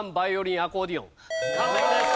完璧です。